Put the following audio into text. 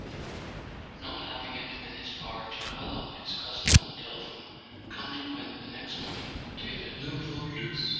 XII N OT having it in his power to call up his cousin on the telephone, Campton went the next morn¬ ing to the Nouveau Luxe.